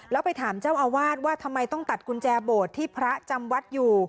แล้วไปถามเจ้าอาวาสว่าทำไมต้องตัดกุญแจโบสถ์ที่พระจำวัดอยู่